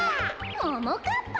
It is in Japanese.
ももかっぱ？